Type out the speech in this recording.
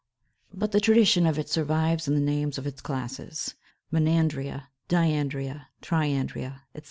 But the tradition of it survives in the names of its classes, Monandria, Diandria, Triandria, etc.